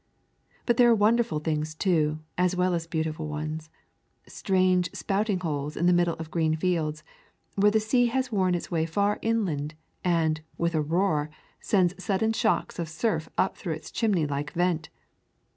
But there are wonderful things too, as well as beautiful ones, strange spouting holes in the middle of green fields, where the sea has worn its way far inland, and, with a roar, sends sudden shocks of surf up through its chimney like vent.